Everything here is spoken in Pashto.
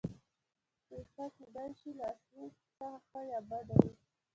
پېښه کېدای شي له اصلي څخه ښه یا بده وي